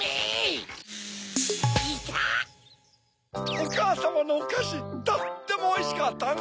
おかあさまのおかしとってもおいしかったんだ。